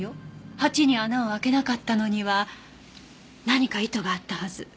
鉢に穴を開けなかったのには何か意図があったはず。